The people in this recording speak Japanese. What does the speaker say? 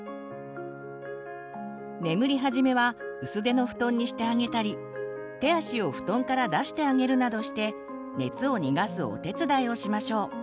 眠りはじめは薄手の布団にしてあげたり手足を布団から出してあげるなどして熱を逃がすお手伝いをしましょう。